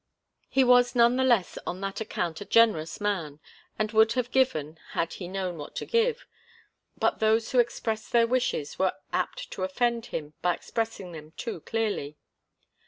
He was none the less on that account a generous man, and would often have given, had he known what to give; but those who expressed their wishes were apt to offend him by expressing them too clearly.